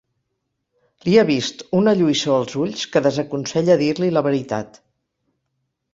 Li ha vist una lluïssor als ulls que desaconsella dir-li la veritat.